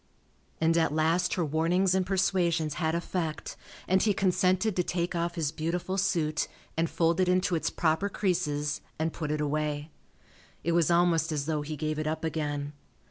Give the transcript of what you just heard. And at last her warnings and persuasions had effect and he consented to take off his beautiful suit and fold it into its proper creases and put it away. It was almost as though he gave it up again.